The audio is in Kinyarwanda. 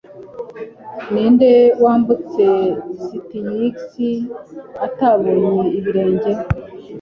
ninde wambutse Styx atabonye ibirenge